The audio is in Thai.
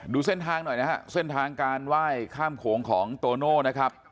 ดูเส้นทางหน่อยนะฮะเส้นทางการไหว้ข้ามโขงของโตโน่นะครับ